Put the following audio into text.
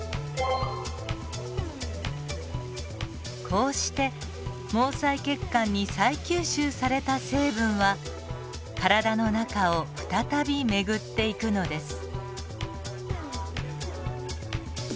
こうして毛細血管に再吸収された成分は体の中を再び巡っていくのです。